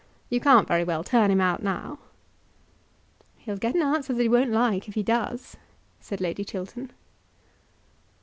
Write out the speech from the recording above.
You can't very well turn him out now." "He'll get an answer that he won't like if he does," said Lady Chiltern.